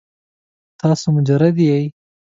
تاسو مجرد یې؟